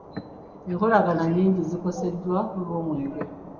Enkolagana nyingi zikoseddwa olw'omwenge .